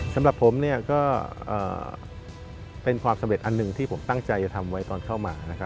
สำหรับผมก็เป็นความสำเร็จอันหนึ่งที่ผมตั้งใจจะทำไว้ตอนเข้ามา